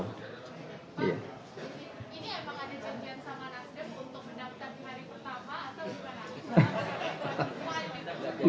ini emang ada janjian sama nasdem untuk mendaftar di hari pertama atau juga hari pertama